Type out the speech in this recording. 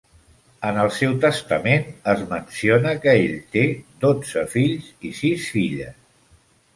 En el seu testament es menciona que ell té dotze fills i sis filles.